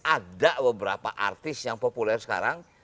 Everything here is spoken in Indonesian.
ada beberapa artis yang populer sekarang